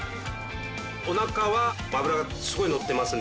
おなかは脂がすごいのってますね。